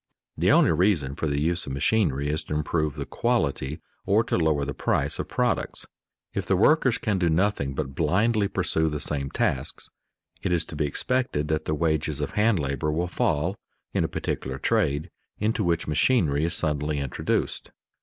_ The only reason for the use of machinery is to improve the quality or to lower the price of products. If the workers can do nothing but blindly pursue the same tasks, it is to be expected that the wages of hand labor will fall in a particular trade into which machinery is suddenly introduced.